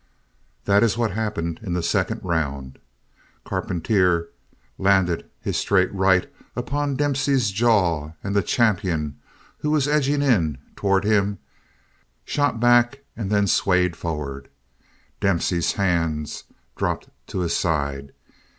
That is what happened in the second round. Carpentier landed his straight right upon Dempsey's jaw and the champion, who was edging in toward him, shot back and then swayed forward. Dempsey's hands dropped to his side.